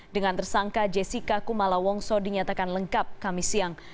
dengan tersangka jessica kumala wongso dinyatakan lengkap kami siang